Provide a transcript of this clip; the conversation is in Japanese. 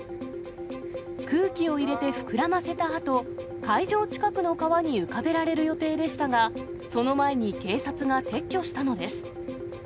空気を入れて膨らませたあと、会場近くの川に浮かべられる予定でしたが、その前に警察が撤去したのです。